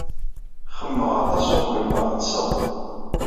Xemmemeɣ aṭas uqbel ma ɣetseɣ.